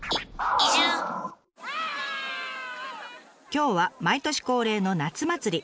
今日は毎年恒例の夏祭り。